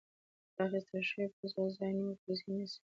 د اخیستل شویو پیسو ځای نورې پیسې نیسي